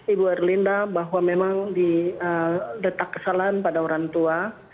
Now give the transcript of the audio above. ibu erlinda bahwa memang didetak kesalahan pada orang tua